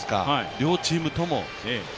両チームとも。